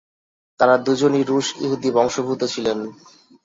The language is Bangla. তারা দুজনেই রুশ ইহুদি বংশোদ্ভূত ছিলেন।